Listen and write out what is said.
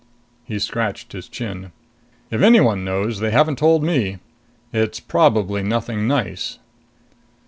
He scratched his chin. "If anyone knows, they haven't told me. It's probably nothing nice."